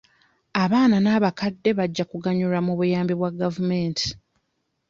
Abaana n'abakadde bajja kuganyulwa mu buyambi bwa gavumenti.